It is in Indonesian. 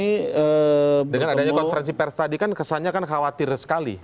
tapi dengan adanya konferensi pers tadi kan kesannya kan khawatir sekali